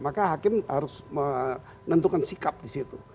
maka hakim harus menentukan sikap disitu